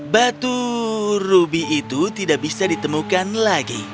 batu rubi itu tidak bisa ditemukan lagi